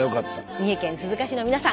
三重県鈴鹿市の皆さん